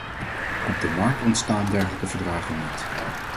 Op de markt ontstaan dergelijke verdragen niet.